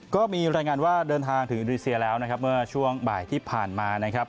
ก็มีรายงานว่าเดินทางถึงอินโดนีเซียแล้วนะครับเมื่อช่วงบ่ายที่ผ่านมานะครับ